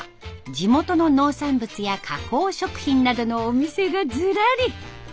地元の農産物や加工食品などのお店がずらり。